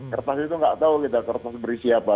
kertas itu tidak tahu kita kertas berisi apa